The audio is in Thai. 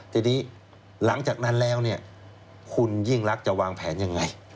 ทีนี้หลังจากนั้นแล้วเนี่ยคุณยิ่งรักจะวางแผนยังไง